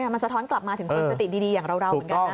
มันสะท้อนกลับมาถึงคนสติดีอย่างเราเหมือนกันนะ